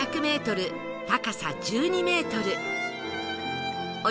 高さ１２メートル